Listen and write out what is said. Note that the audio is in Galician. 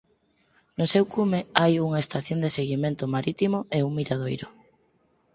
No seu cume hai unha Estación de Seguimento Marítimo e un miradoiro.